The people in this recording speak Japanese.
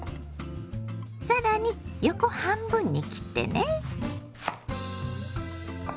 更に横半分に切ってね。